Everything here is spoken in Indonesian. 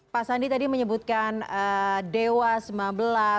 pak sandi tadi menyebutkan dewa sembilan belas